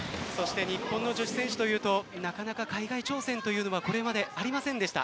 日本の女子選手というとなかなか海外挑戦というのはこれまでありませんでした。